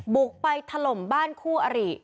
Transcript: บุกไปถล่มบ้านคู่อริ